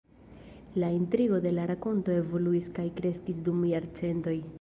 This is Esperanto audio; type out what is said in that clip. La intrigo de la rakonto evoluis kaj kreskis dum jarcentoj.